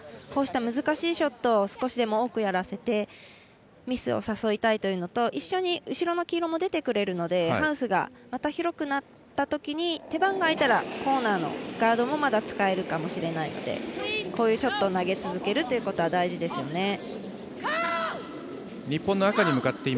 こうした難しいショットを少しでも多くやらせてミスを誘いたいというのと一緒に後ろの黄色も出てくれるのでまたハウスが広くなったとき手番があいたらコーナーのガードもまだ使えるかもしれないのでこういうショットを投げ続けることは大事ですね。